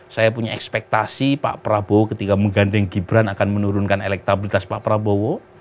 saya punya ekspektasi pak prabowo ketika menggandeng gibran akan menurunkan elektabilitas pak prabowo